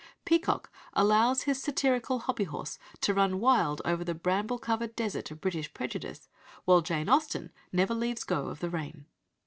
Peacock allows his satirical hobby horse to run wild over the bramble covered desert of British prejudice, while Jane Austen never leaves go of the rein.